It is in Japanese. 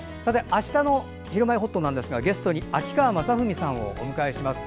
あしたの「ひるまえほっと」なんですがゲストに秋川雅史さんをお迎えします。